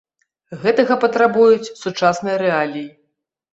Гэтага патрабуюць сучасныя рэаліі.